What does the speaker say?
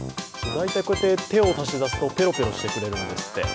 大体、こうやって手を出すとぺろぺろしてくれるんですって。